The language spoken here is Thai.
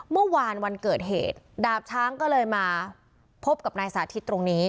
เมื่อวานวันเกิดเหตุดาบช้างก็เลยมาพบกับนายสาธิตตรงนี้